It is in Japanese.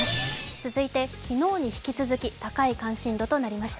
続いて昨日に引き続き高い関心度となりました。